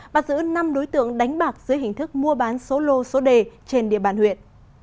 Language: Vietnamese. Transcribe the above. bắt giữ năm đối tượng đánh bạc dưới hình thức mua bán số lô số đề trên địa bàn huyện